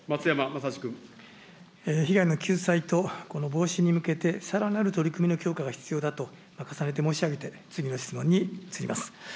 被害の救済とこの防止に向けて、さらなる取り組みの強化が必要だと重ねて申し上げて、次の質問に移ります。